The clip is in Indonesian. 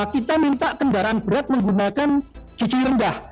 kita minta kendaraan berat menggunakan cuci rendah